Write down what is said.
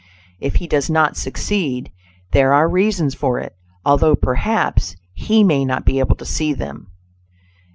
If he does not succeed, there are reasons for it, although, perhaps, he may not be able to see them.